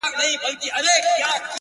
سيدې يې نورو دې څيښلي او اوبه پاتې دي ـ